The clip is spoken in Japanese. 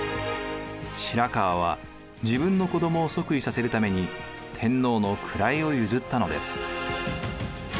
白河は自分の子どもを即位させるために天皇の位を譲ったのです。